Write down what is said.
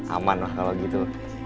aman lah kalau gitu